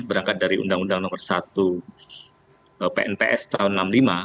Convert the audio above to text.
berangkat dari undang undang nomor satu pnps tahun enam puluh lima